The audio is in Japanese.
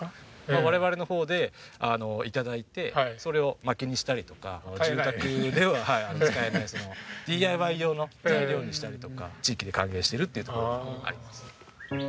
我々の方で頂いてそれをまきにしたりとか住宅では使えないＤＩＹ用の材料にしたりとか地域に還元しているっていうところもあります。